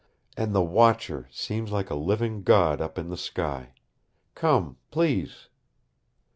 And the Watcher seems like a living god up in the sky. Come, please."